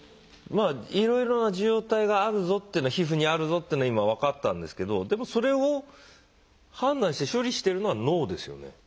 まあいろいろな受容体が皮膚にあるぞというのは今分かったんですけどでもそれを判断して処理しているのは脳ですよね？